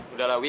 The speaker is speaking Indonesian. udah lah wi